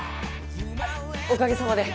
おかげさまで。